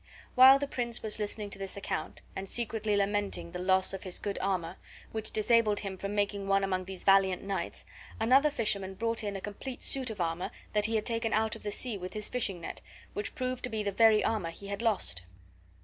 While the prince was listening to this account, and secretly lamenting the loss of his good armor, which disabled him from making one among these valiant knights, another fisherman brought in a complete suit of armor that he had taken out of the sea with his fishing net, which proved to be the very armor he had lost.